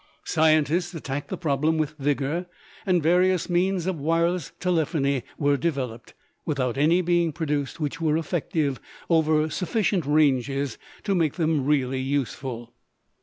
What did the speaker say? Scientists attacked the problem with vigor, and various means of wireless telephony were developed, without any being produced which were effective over sufficient ranges to make them really useful.